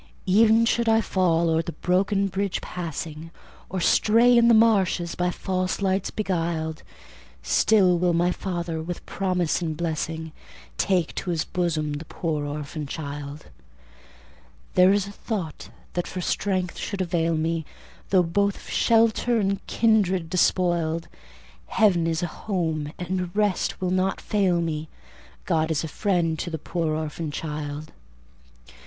Ev'n should I fall o'er the broken bridge passing, Or stray in the marshes, by false lights beguiled, Still will my Father, with promise and blessing, Take to His bosom the poor orphan child. There is a thought that for strength should avail me, Though both of shelter and kindred despoiled; Heaven is a home, and a rest will not fail me; God is a friend to the poor orphan child."